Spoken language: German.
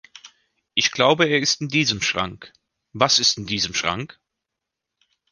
Ich glaub er ist in diesem Schrank. Was ist in diesem Schrank?